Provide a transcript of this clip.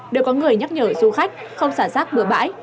đều có người nhắc nhở du khách không xả xác bữa bãi